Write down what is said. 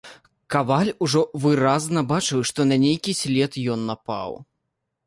Каваль ужо выразна бачыў, што на нейкі след ён напаў.